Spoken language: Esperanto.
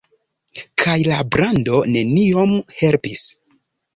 Kaj la brando neniom helpis.